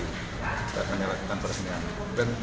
kita akan melakukan peresmian